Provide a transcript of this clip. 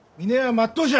まっとうじゃ！